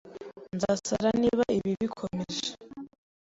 ] Nzasara niba ibi bikomeje.